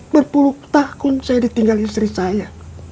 berpuluk takut saya ditinggal istri saya